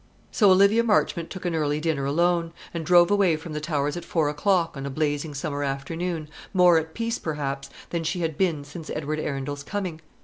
So Olivia Marchmont took an early dinner alone, and drove away from the Towers at four o'clock on a blazing summer afternoon, more at peace perhaps than she had been since Edward Arundel's coming.